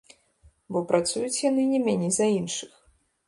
Бо, працуюць яны не меней за іншых.